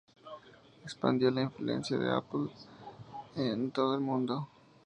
Expandió la influencia de Apple en todo el mundo.